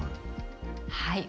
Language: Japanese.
はい。